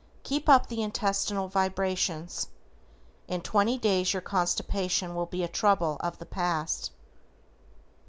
Keep up the intestinal vibrations, in 20 days your constipation will be a trouble of the past.